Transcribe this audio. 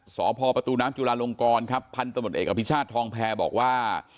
สพปนจุฬาลงกรพันธุ์ตำรวจเอกอภิชาศทองแพรบอกว่า